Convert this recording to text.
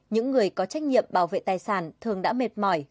những người có trách nhiệm bảo vệ tài sản thường đã mệt mỏi